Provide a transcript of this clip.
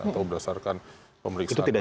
atau berdasarkan pemeriksaan radiologi